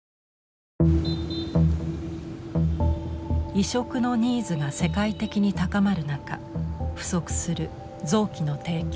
移植のニーズが世界的に高まる中不足する臓器の提供。